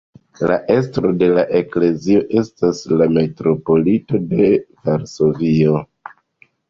La estro de la eklezio estas la metropolito de Varsovio.